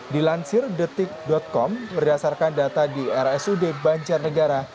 di lansir detik com berdasarkan data di rsud banjar negara